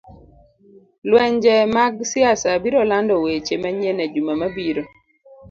lwenje mag siasa biro lando weche manyien e juma mabiro.